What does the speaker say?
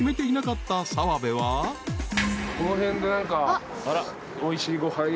この辺で何か。